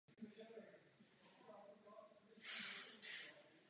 Oba se do vězení vrátili v květnu již jako vrazi.